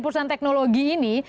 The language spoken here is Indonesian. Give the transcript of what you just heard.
pusulan teknologi ini